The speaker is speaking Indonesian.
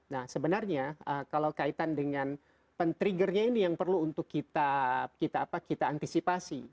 nah sebenarnya kalau kaitan dengan pen triggernya ini yang perlu untuk kita antisipasi